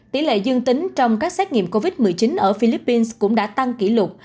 tỷ lệ dương tính trong các xét nghiệm covid một mươi chín ở philippines cũng đã tăng kỷ lục